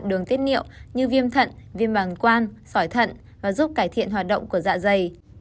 bạn đường tiết niệm như viêm thận viêm bằng quan sỏi thận và giúp cải thiện hoạt động của dạ dày